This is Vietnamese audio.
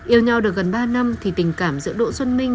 yêu nhau được gần ba năm thì tình cảm giữa đỗ xuân minh